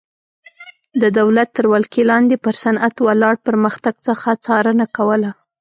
د دولت تر ولکې لاندې پر صنعت ولاړ پرمختګ څخه څارنه کوله.